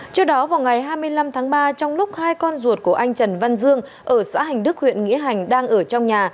trước đó vào ngày hai mươi năm tháng ba trong lúc hai con ruột của anh trần văn dương ở xã hành đức huyện nghĩa hành đang ở trong nhà